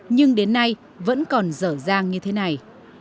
nhưng đến nay vẫn còn dở dàng như thế này